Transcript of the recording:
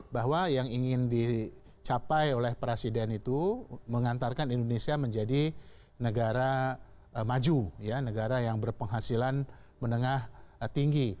bahwa yang ingin dicapai oleh presiden itu mengantarkan indonesia menjadi negara maju negara yang berpenghasilan menengah tinggi